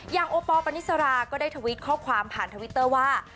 โอปอลปานิสราก็ได้ทวิตข้อความผ่านทวิตเตอร์ว่า